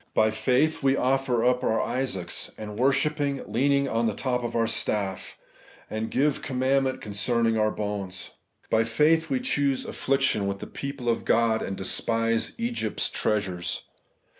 By faith we offer up our Isaacs, and worship ' leaning on the top of our staff; and ' give commandment concern ing our bones/ By faith we choose aMction with the people of God, and despise Egypt's treasures.